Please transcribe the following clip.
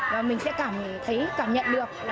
và mình sẽ cảm nhận được